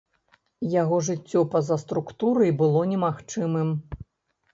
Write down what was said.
Яго жыццё па-за структурай было немагчымым.